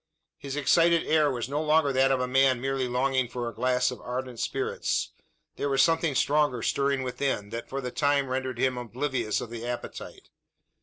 His excited air was no longer that of a man merely longing for a glass of ardent spirits. There was something stronger stirring within, that for the time rendered him oblivious of the appetite.